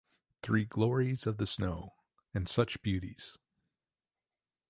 Three glories of the snow, and such beauties!